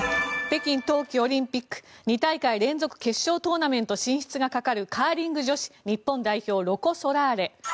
北京冬季オリンピック２大会連続決勝トーナメント進出がかかるカーリング女子日本代表ロコ・ソラーレ。